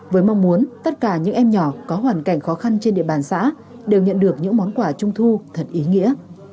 với mong muốn tất cả những em nhỏ có hoàn cảnh khó khăn trên địa bàn xã đều nhận được những món quà trung thu thật ý nghĩa